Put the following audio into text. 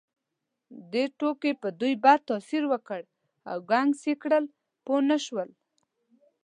دې ټوکې پر دوی بد تاثیر وکړ او ګنګس یې کړل، پوه نه شول.